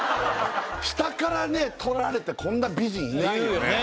下からね撮られてこんな美人いないよね